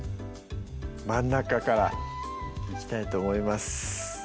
真ん中からいきたいと思います